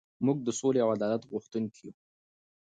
موږ د سولې او عدالت غوښتونکي یو.